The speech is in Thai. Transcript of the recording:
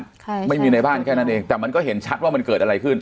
ค่ะไม่มีในบ้านแค่นั้นเองแต่มันก็เห็นชัดว่ามันเกิดอะไรขึ้น